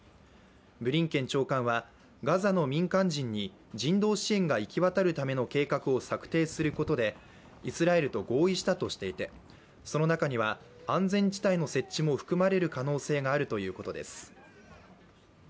ブリンケン長官はガザの民間人に人道支援が行き渡るための計画を策定することでイスラエルと合意したとしていてその中には安全地帯の設置も含まれる可能性があるということです。